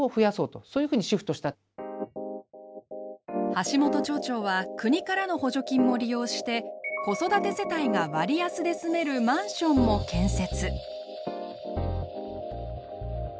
橋本町長は国からの補助金も利用して子育て世帯が割安で住めるマンションも建設。